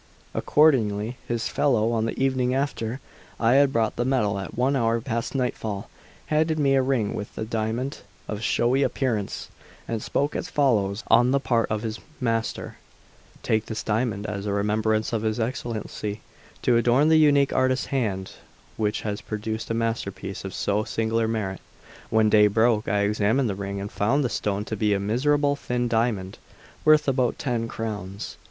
Accordingly, this fellow, on the evening after I had brought the medal, at one hour past nightfall, handed me a ring with a diamond of showy appearance, and spoke as follows on the part of his master: "Take this diamond as a remembrance of his Excellency, to adorn the unique artist's hand which has produced a masterpiece of so singular merit." When day broke, I examined the ring, and found the stone to be a miserable thin diamond, worth about ten crowns.